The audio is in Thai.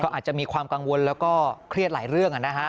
อาจจะมีความกังวลแล้วก็เครียดหลายเรื่อง